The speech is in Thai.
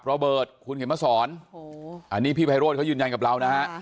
ระเบิดคุณเข็มมาสอนอันนี้พี่ไพโรธเขายืนยันกับเรานะฮะ